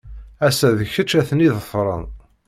Ass- a d kečč ad ten-iḍfren.